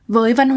với văn hóa